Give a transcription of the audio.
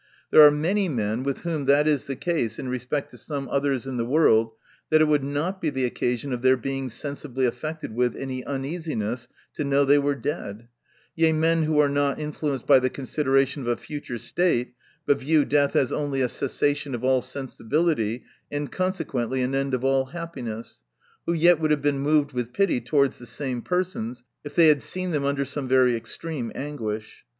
There are many men, with whom that is the case in respect to some others in Ihe world, that it would not be the occasion of their being sensibly affected with any uneasiness, to know they were dead (yea men who are not inflenced by the consideration of a future state, but view death as only a cessation of all sensi bility, and consequently an end of all happiness), who yet wTould have been moved with pity towards the same persons, if they had seen them under some very extreme anguish.